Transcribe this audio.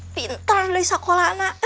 pintar dari sekolah nak